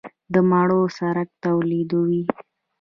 د مڼو سرکه تولیدوو؟